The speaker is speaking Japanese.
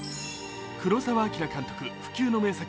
黒澤明監督、不朽の名作